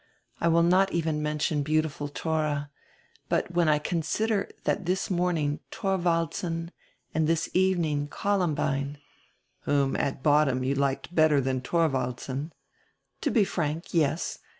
I will not even mention beautiful Thora, but when I con sider that this morning Thorwaldsen and this evening Columbine —" "Whom at bottom you liked better than Thorwaldsen —" "To be frank, yes.